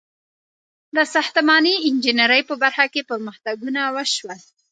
• د ساختماني انجینرۍ په برخه کې پرمختګونه وشول.